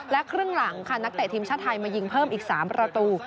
และครึ่งหลังค่ะนักเตะทีมชาติไทยมายิงเพิ่มอีก๓ประตู